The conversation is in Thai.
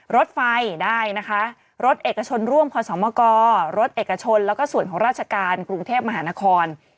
รถไฟได้นะคะรถเอกชนร่วมพศมกรถเอกชนแล้วก็ส่วนของราชการกรุงเทพมหานคร